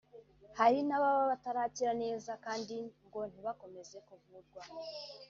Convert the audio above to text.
hari n’ababa batarakira neza kandi ngo ntibakomeze kuvurwa